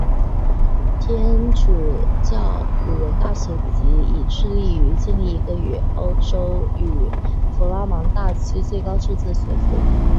天主教鲁汶大学藉此致力于建立一个欧洲与弗拉芒大区最高素质的学府。